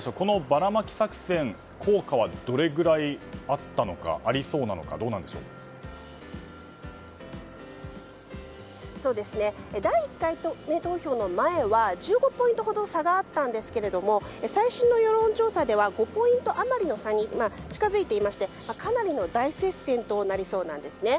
バラマキ作戦の効果はどれぐらいあったのかありそうなのか第１回目投票の前は１５ポイントほど差があったんですが最新の世論調査では５ポイント余りの差に近づいていましてかなりの大接戦となりそうです。